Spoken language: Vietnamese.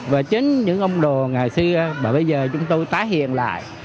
và chính những ông đồ ngày xưa mà bây giờ chúng tôi tái hiện lại